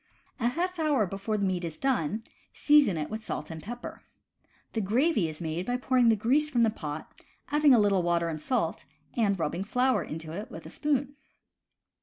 A half hour before the meat is done, season it with salt and pepper. The gravy is made by pouring the grease from the pot, adding a little water and salt, and rubbing flour into it with a spoon.